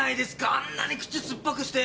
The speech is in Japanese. あんなに口すっぱくして！